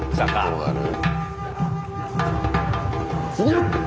どうなる？